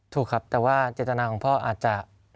ถูกครับแต่ว่าเจตนาของพ่ออาจจะ